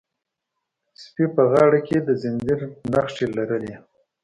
سپي په غاړه کې د زنځیر نښې لرلې.